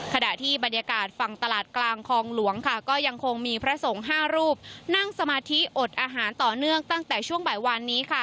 ขณะที่บรรยากาศฝั่งตลาดกลางคลองหลวงค่ะก็ยังคงมีพระสงฆ์๕รูปนั่งสมาธิอดอาหารต่อเนื่องตั้งแต่ช่วงบ่ายวานนี้ค่ะ